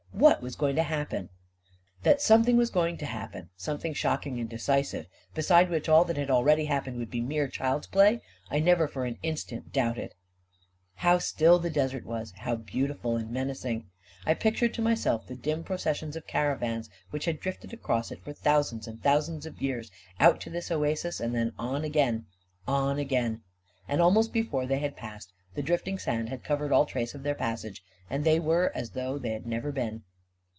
What was going to happen ? That something was going to happen — something shocking and decisive, beside which all that had al ready happened would be mere child's play — I never for an instant doubted I How still the desert was, how beautiful — and A KING IN BABYLON 227 menacing ! I pictured to myself the dim processions of caravans which had drifted across it for thousands and thousands of years, out to this oasis, and then on again, on again. And almost before they had passed, the drifting sand had covered all trace of their passage, and they were as though they had never been.